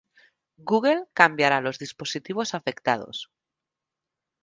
Google cambiará los dispositivos afectados.